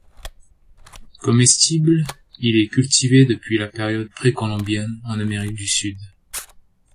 Comestible, il est cultivé depuis la période précolombienne en Amérique du Sud.